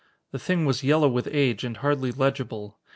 The thing was yellow with age and hardly legible.